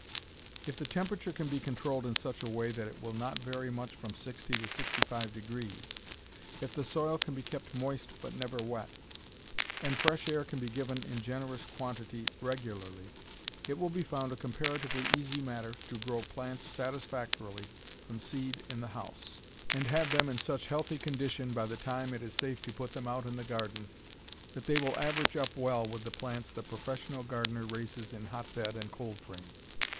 If the temperature can be controlled in such a way that it will not vary much from 60 to 65°, if the soil can be kept moist but never wet, and fresh air can be given in generous quantity regularly, it will be found a comparatively easy matter to grow plants satisfactorily from seed in the house, and have them in such healthy condition by the time it is safe to put them out in the garden that they will average up well with the plants the professional gardener raises in hotbed and cold frame.